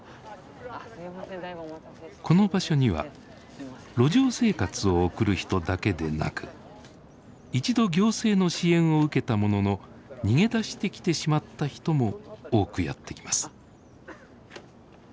この場所には路上生活を送る人だけでなく一度行政の支援を受けたものの逃げ出してきてしまった人も多くやって来ます。